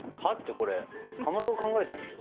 これかまどが考えたんでしょ？